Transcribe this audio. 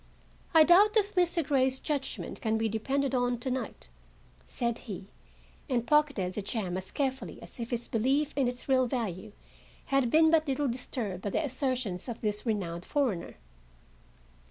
"I doubt if Mr. Grey's judgment can be depended on, to night," said he, and pocketed the gem as carefully as if his belief in its real value had been but little disturbed by the assertions of this renowned foreigner.